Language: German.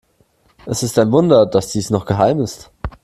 Es ist ein Wunder, dass dies noch geheim ist.